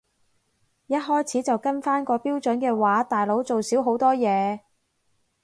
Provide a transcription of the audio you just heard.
一開始就跟返個標準嘅話大佬做少好多嘢